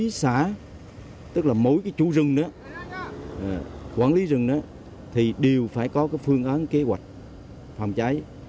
các xã tức là mỗi cái chủ rừng nữa quản lý rừng đó thì đều phải có cái phương án kế hoạch phòng cháy